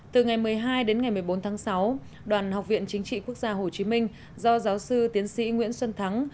từ ngày một mươi hai đến ngày một mươi bốn tháng sáu đoàn học viện chính trị quốc gia hồ chí minh do giáo sư tiến sĩ nguyễn xuân thắng